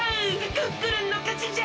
クックルンのかちじゃ！